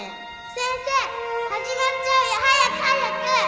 先生始まっちゃうよ早く早く！